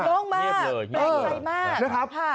โล่งมากแน่ใจมาก